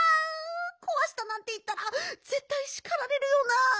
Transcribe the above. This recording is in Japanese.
こわしたなんていったらぜったいしかられるよな。